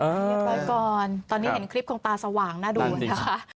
เรียบร้อยก่อนตอนนี้เห็นคลิปคงตาสว่างน่าดูนะคะ